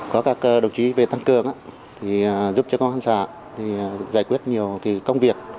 có các đồng chí về tăng cường giúp cho công an xã giải quyết nhiều công việc